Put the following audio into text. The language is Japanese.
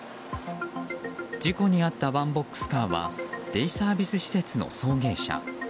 事故にあったワンボックスカーはデイサービス施設の送迎車。